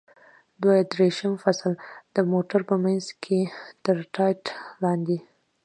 دوه دېرشم فصل: د موټر په منځ کې تر ټاټ لاندې.